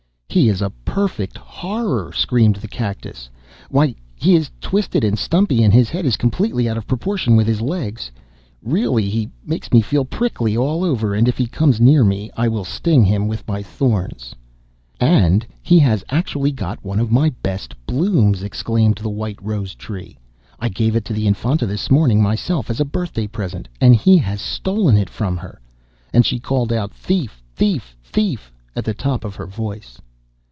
'He is a perfect horror!' screamed the Cactus. 'Why, he is twisted and stumpy, and his head is completely out of proportion with his legs. Really he makes me feel prickly all over, and if he comes near me I will sting him with my thorns.' 'And he has actually got one of my best blooms,' exclaimed the White Rose Tree. 'I gave it to the Infanta this morning myself, as a birthday present, and he has stolen it from her.' And she called out: 'Thief, thief, thief!' at the top of her voice.